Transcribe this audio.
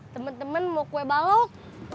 temen temen mau kue balok